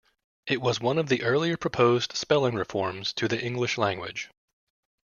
It was one of the earlier proposed spelling reforms to the English language.